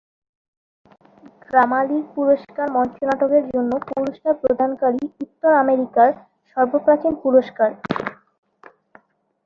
Drama league পুরস্কার মঞ্চনাটকের জন্য পুরস্কার প্রদানকারী উত্তর আমেরিকার সর্বপ্রাচীন পুরস্কার।